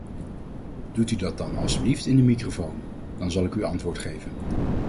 Doet u dat dan alstublieft in de microfoon, dan zal ik u antwoord geven.